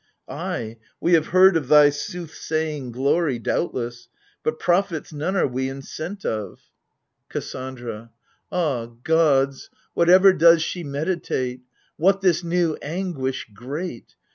Ay, we have heard of thy soothsaying glory, Doubtless : but prophets none are we in scent of ! 90 AGAMEMNON. KASSANDRA. Ah, gods, what ever does she meditate? What this new anguish great